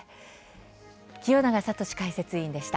清永聡解説委員でした。